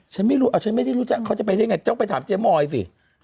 ฉันไม่รู้ฉันไม่ได้รู้จักเขาจะไปได้ไงต้องไปถามเจ๊มอยสิ